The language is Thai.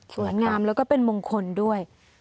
งามแล้วก็เป็นมงคลด้วย